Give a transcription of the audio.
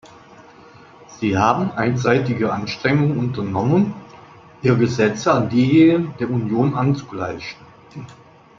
Sie haben einseitige Anstrengungen unternomen, ihre Gesetze an diejenigen der Union anzugleichen.